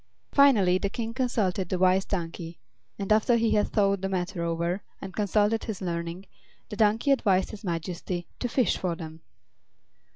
Finally the King consulted the Wise Donkey; and after he had thought the matter over and consulted his learning, the donkey advised his Majesty to fish for them.